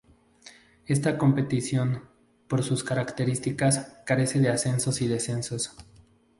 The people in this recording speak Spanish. Esta competición, por sus características, carece de ascensos y descensos.